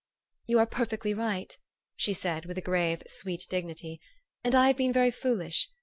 " You are perfectly right," she said with a grave, sweet dignity ;" and I have been very foolish.